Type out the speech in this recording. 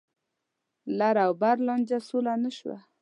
د لر او بر لانجه سوله نه شوه.